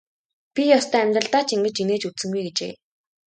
Би ёстой амьдралдаа ч ингэж инээж үзсэнгүй гэжээ.